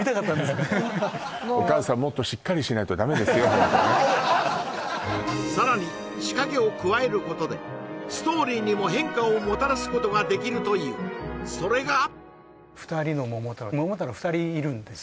ホントねはいさらに仕掛けを加えることでストーリーにも変化をもたらすことができるというそれがももたろう２人いるんです